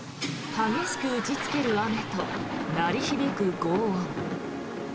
激しく打ちつける雨と鳴り響くごう音。